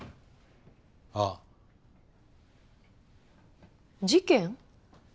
あっ。事件？